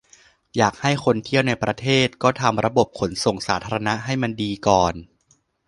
อยากให้คนเที่ยวในประเทศก็ทำระบบขนส่งสาธารณะให้มันดีก่อน